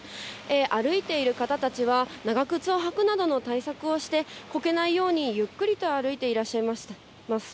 歩いている方たちは、長靴を履くなどの対策をして、こけないようにゆっくりと歩いていらっしゃいます。